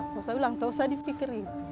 tidak usah diulang tidak usah dipikirin